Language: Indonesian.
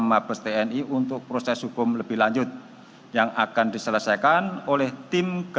maka sangat berharap deliberate misi puspon kalau saya